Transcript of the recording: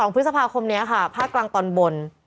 ๒พฤษภาคมนี้ค่ะภาคกลางตอนบน